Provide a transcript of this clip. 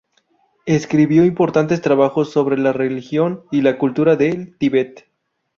Escribió importantes trabajos sobre la religión y la cultura del Tibet.